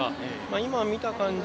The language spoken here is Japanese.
今見た感じ